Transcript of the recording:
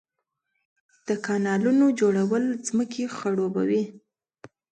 د کانالونو جوړول ځمکې خړوبوي